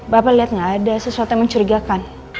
bapak liat gak ada sesuatu yang mencurigakan